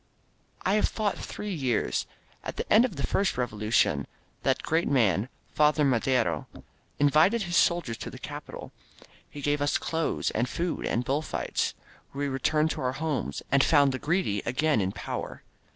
I have fought three years. At the end of the first Revolucion that great man, Father Madero, invited his soldiers to the Capital. He gave us clothes, and food, and bull fights. We re turned to our homes and found the greedy again in power."